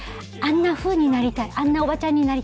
あんなふうになりたい。